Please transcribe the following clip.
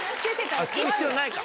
聞く必要ないか。